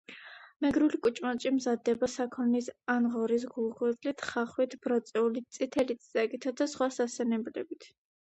მეგრული კუჭმაჭი მზადდება საქონლის ან ღორის გულღვიძლით, ხახვით, ბროწეულით, წითელი წიწაკითა და სხვა სანენებლებით.